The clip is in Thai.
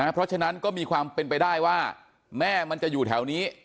เพราะฉะนั้นก็มีความเป็นไปได้ว่าแม่มันจะอยู่แถวนี้